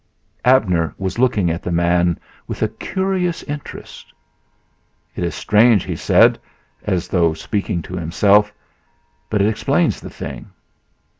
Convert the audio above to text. Abner was looking at the man with a curious interest. "It is strange," he said, as though speaking to himself, "but it explains the thing.